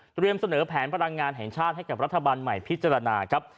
เสนอแผนพลังงานแห่งชาติให้กับรัฐบาลใหม่พิจารณาครับ